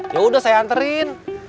ya udah saya anterin